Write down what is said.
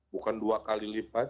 bukan dua kali lipat